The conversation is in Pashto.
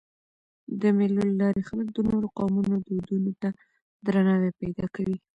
د مېلو له لاري خلک د نورو قومونو دودونو ته درناوی پیدا کوي.